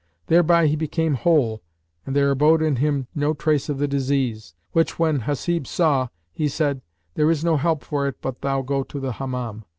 Therewith he became whole and there abode in him no trace of the disease, which when Hasib saw, he said, "There is no help for it but thou go to the Hammam."